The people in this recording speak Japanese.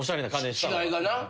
違いがな。